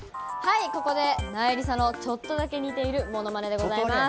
ここでなえりさのちょっとだけ似ているものまねでございます。